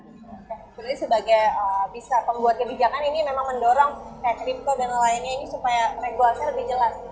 jadi sebagai bisa pembuat kebijakan ini memang mendorong crypto dan lain lainnya ini supaya reguasinya lebih jelas